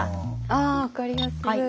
あ分かりやすい。